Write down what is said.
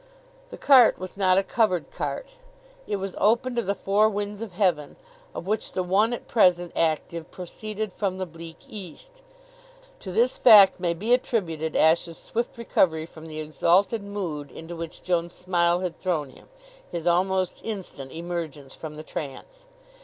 The cart was not a covered cart. It was open to the four winds of heaven, of which the one at present active proceeded from the bleak east. To this fact may be attributed Ashe's swift recovery from the exalted mood into which Joan's smile had thrown him, his almost instant emergence from the trance.